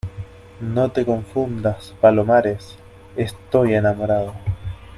no te confundas, Palomares. estoy enamorado